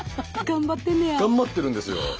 頑張ってんねや。頑張ってるんですよ。